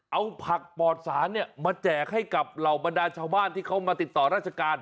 เอาผักปอดสารมาแจกให้กับเหล่าบรรดาชาวบ้านที่เขามาติดต่อราชการ